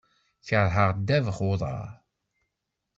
Keṛheɣ ddabex n uḍaṛ.